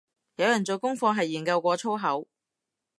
有人做功課係研究過粗口